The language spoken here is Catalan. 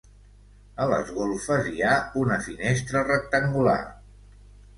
A les golfes, hi ha una finestra rectangular.